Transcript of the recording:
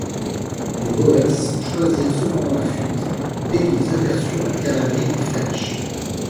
Les Boers choisirent cependant la fuite dès qu'ils aperçurent la cavalerie de French.